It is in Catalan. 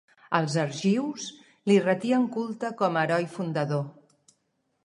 Els argius li retien culte com a heroi fundador.